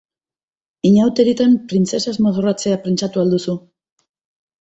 Inauterietan printzesaz mozorrotzea pentsatu al duzu?